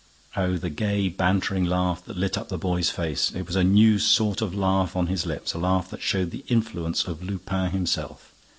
Oh, the gay, bantering laughter that lit up the boy's face! It was a new sort of laugh on his lips, a laugh that showed the influence of Lupin himself.